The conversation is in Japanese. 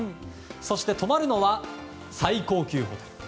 そして泊まるのは最高級ホテル。